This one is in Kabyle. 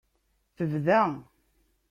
Tebda.